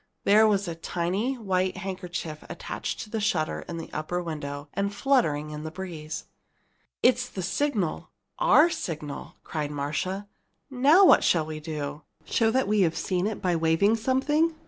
There was a tiny white handkerchief attached to the shutter in the upper window and fluttering in the breeze! "It's the signal our signal!" cried Marcia. "Now what shall we do? show that we've seen it by waving something?